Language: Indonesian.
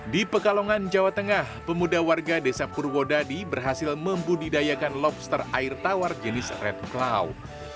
di pekalongan jawa tengah pemuda warga desa purwodadi berhasil membudidayakan lobster air tawar jenis red cloud